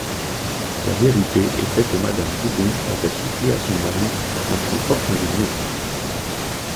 La vérité était que madame Rougon avait soufflé à son mari un plan fort ingénieux.